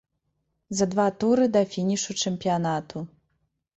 За два туры да фінішу чэмпіянату.